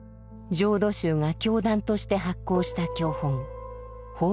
浄土宗が教団として発行した教本「報恩教話」。